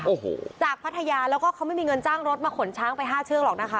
โอ้โหจากพัทยาแล้วก็เขาไม่มีเงินจ้างรถมาขนช้างไปห้าเชือกหรอกนะคะ